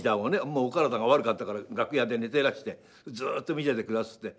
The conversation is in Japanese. もうお体が悪かったから楽屋で寝てらしてずっと見ててくだすって。